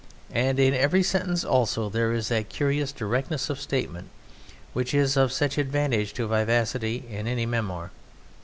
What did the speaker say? And in every sentence also there is that curious directness of statement which is of such advantage to vivacity in any memoir.